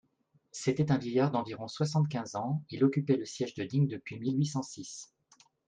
C'était un vieillard d'environ soixante-quinze ans, il occupait le siège de Digne depuis mille huit cent six.